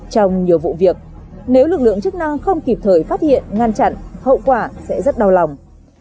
trong nhiều vụ việc nếu lực lượng chức năng không kịp thời phát hiện ngăn chặn hậu quả sẽ rất đau lòng